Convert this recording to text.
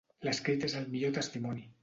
L'escrit és el millor testimoni.